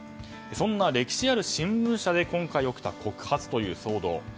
そんな歴史ある新聞社で今回起きた告発という騒動。